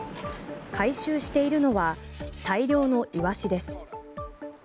回収しているのは大量のイワシです。